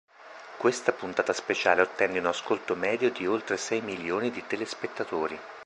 Questa puntata speciale ottenne un ascolto medio di oltre sei milioni di telespettatori.